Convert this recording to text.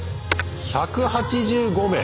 １８５名。